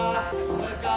どうですか？